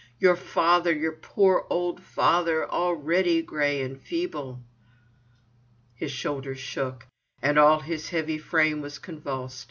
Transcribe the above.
Your father, your poor old father, already grey and feeble." His shoulders shook, and all his heavy frame was convulsed.